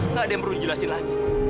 nggak ada yang perlu dijelasin lagi